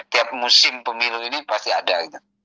tiap musim pemilu ini pasti ada gitu